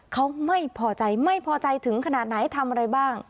เขาไม่พอใจไม่พอใจถึงขนาดไหนทำอะไรบ้าง